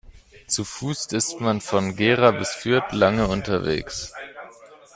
Zu Fuß ist man von Gera bis Fürth lange unterwegs